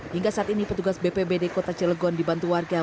hingga saat ini petugas bpbd kota cilegon dibantu warga